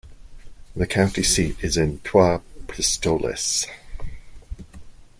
The county seat is in Trois-Pistoles.